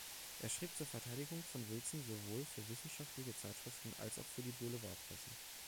Er schrieb zur Verteidigung von Wilson sowohl für wissenschaftliche Zeitschriften als auch für die Boulevardpresse.